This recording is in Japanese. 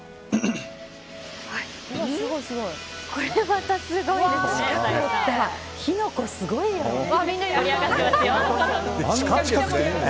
これまたすごいですね、冴木さん。